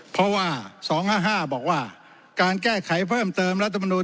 เพราะว่า๒๕๕บอกว่าการแก้ไขเพิ่มเติมรัฐมนุน